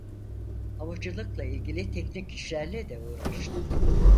Havacılıkla ilgili teknik işlerle de uğraştı.